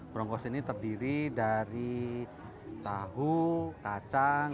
brongkos ini terdiri dari tahu kacang